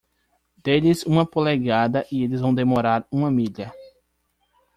Dê-lhes uma polegada e eles vão demorar uma milha.